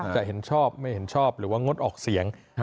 จะเห็นชอบไม่เห็นชอบหรือว่างดออกเสียง